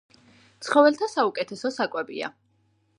ცხოველთა საუკეთესო საკვებია.